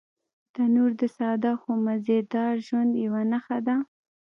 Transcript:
تنور د ساده خو مزيدار ژوند یوه نښه ده